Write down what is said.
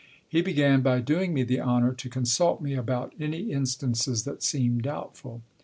He began by doing me the honour to consult me about any instances that seemed doubtful.